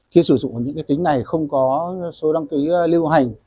khi sử dụng những cái tính này không có số đăng ký lưu hành